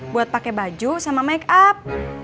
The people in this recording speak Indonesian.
buat pakai baju sama make up